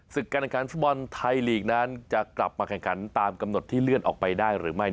การแข่งขันฟุตบอลไทยลีกนั้นจะกลับมาแข่งขันตามกำหนดที่เลื่อนออกไปได้หรือไม่